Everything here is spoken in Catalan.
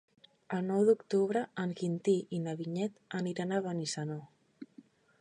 El nou d'octubre en Quintí i na Vinyet aniran a Benissanó.